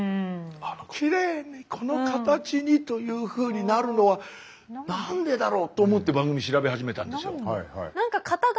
きれいにこの形にというふうになるのはなんでだろう？と思って番組調べ始めたんですよ。